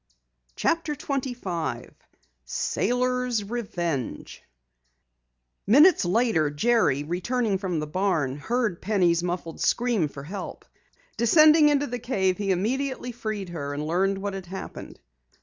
CHAPTER 25 SAILORS' REVENGE Minutes later, Jerry, returning from the barn, heard Penny's muffled scream for help. Descending into the cave he immediately freed her and learned what had happened.